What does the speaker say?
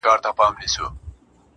کندهار کي خو هوا نن د پکتيا ده,